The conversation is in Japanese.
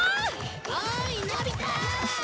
おいのび太！